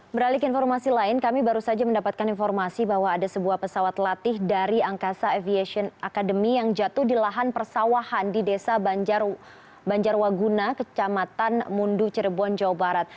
beralik informasi lain kami baru saja mendapatkan informasi bahwa ada sebuah pesawat latih dari angkasa aviation academy yang jatuh di lahan persawahan di desa banjarwaguna kecamatan mundu cirebon jawa barat